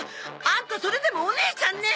アンタそれでもお姉ちゃんね！？